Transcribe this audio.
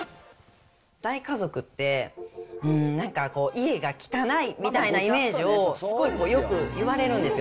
大家族って、なんかこう家が汚いみたいなイメージをすごいよく言われるんですよ。